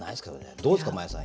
どうですか真矢さん。